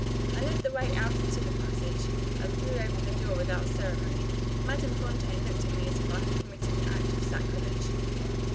I led the way out into the passage, and threw open the door without ceremony. Madame Fontaine looked at me as if I had committed an act of sacrilege.